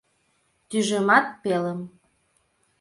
— Тӱжемат пелым.